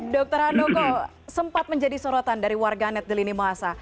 dr handoko sempat menjadi sorotan dari warganet di lini masa